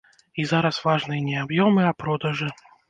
І зараз важныя не аб'ёмы, а продажы.